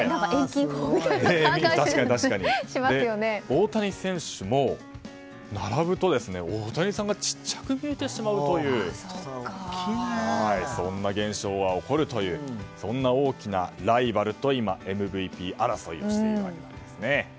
大谷選手も並ぶと大谷さんがちっちゃく見えてしまうというそんな現象が起こるというそんな大きなライバルとＭＶＰ争いをしているわけです。